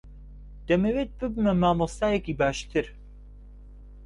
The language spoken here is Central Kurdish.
دەمەوێت ببمە مامۆستایەکی باشتر.